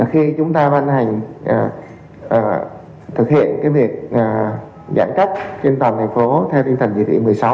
khi chúng ta ban hành thực hiện việc giãn cách trên toàn thành phố theo tinh thần chỉ thị một mươi sáu